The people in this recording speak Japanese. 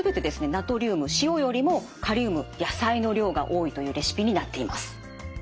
ナトリウム塩よりもカリウム野菜の量が多いというレシピになっています。